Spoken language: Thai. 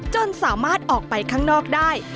จนสามารถออกไปข้างนอกได้